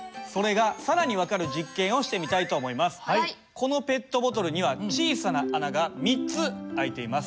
このペットボトルには小さな穴が３つ開いています。